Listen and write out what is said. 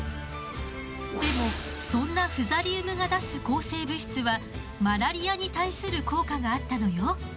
でもそんなフザリウムが出す抗生物質はマラリアに対する効果があったのよ。